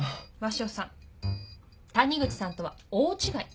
鷲尾さん谷口さんとは大違い。